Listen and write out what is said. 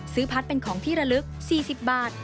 พัดเป็นของที่ระลึก๔๐บาท